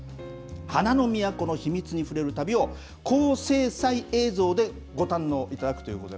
花の都の秘密に触れる旅を、高精細映像でご堪能いただくということで。